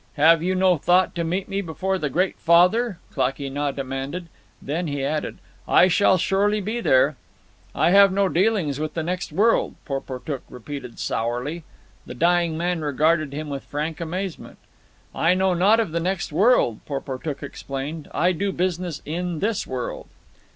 "Have you no thought to meet me before the Great Father!" Klakee Nah demanded. Then he added, "I shall surely be there." "I have no dealings with the next world," Porportuk repeated sourly. The dying man regarded him with frank amazement. "I know naught of the next world," Porportuk explained. "I do business in this world."